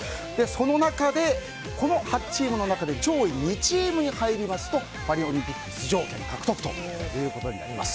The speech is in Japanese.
その中で、この８チームの中で上位２チームに入りますとパリオリンピック出場権獲得です。